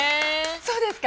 そうですか？